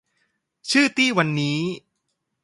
ชื่อตี้วันนี้